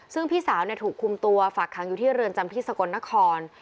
ซึ่งพี่สาวถูกคุมตัวฝากขังอยู่ที่เรือนจำที่สกลนคร